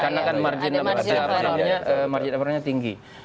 karena kan margin marginnya tinggi